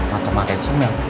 mata matain si mel